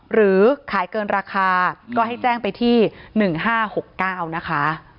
หรือขายเกินราคาก็ให้แจ้งไปที่๑๕๖๙นะคะ